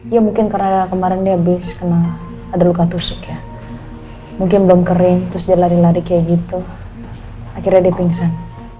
ya mungkin karena kemarin dia habis kena ada luka tusuk ya mungkin belum kering terus dia lari lari kayak gitu akhirnya dia pingsan